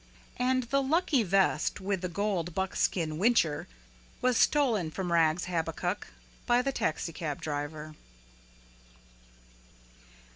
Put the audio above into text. And the lucky vest with the gold buckskin whincher was stolen from Rags Habakuk by the taxicab driver.